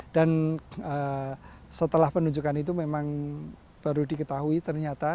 dan setelah penunjukkan itu memang baru diketahui ternyata